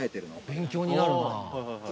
「勉強になるなあ」